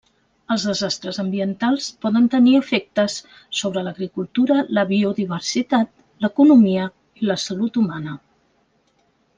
Els desastres ambientals poden tenir efectes sobre l'agricultura, la biodiversitat, l'economia i la salut humana.